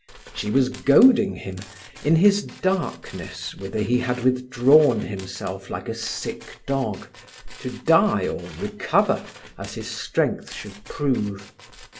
She was goading him, in his darkness whither he had withdrawn himself like a sick dog, to die or recover as his strength should prove.